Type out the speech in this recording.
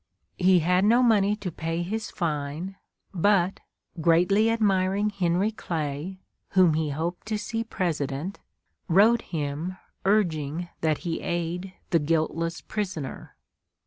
He had no money to pay his fine, but, greatly admiring Henry Clay, whom he hoped to see President, wrote him urging that he aid the "guiltless prisoner."